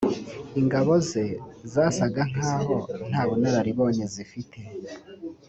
ingabo ze zasaga nk’aho nta bunararibonye zifite